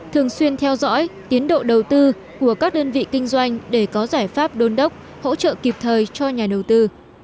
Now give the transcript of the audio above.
thường xuyên theo dõi tiến độ đầu tư của các đơn vị kinh doanh để có giải pháp đôn đốc hỗ trợ kịp thời cho nhà đầu tư